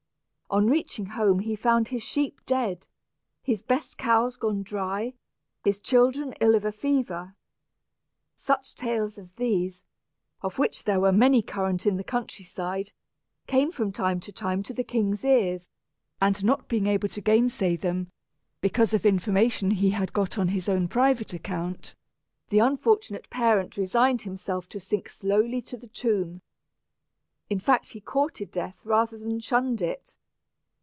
On reaching home he found his sheep dead, his best cows gone dry, and his children ill of a fever. Such tales as these, of which there were many current in the country side, came from time to time to the king's ears, and not being able to gainsay them, because of information he had got on his own private account, the unfortunate parent resigned himself to sink slowly to the tomb. In fact he courted death rather than shunned it.